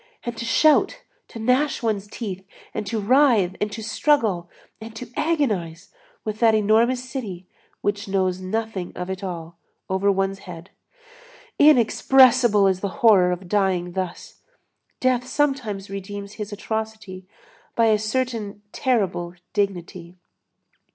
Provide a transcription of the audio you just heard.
And to shout, to gnash one's teeth, and to writhe, and to struggle, and to agonize, with that enormous city which knows nothing of it all, over one's head! Inexpressible is the horror of dying thus! Death sometimes redeems his atrocity by a certain terrible dignity.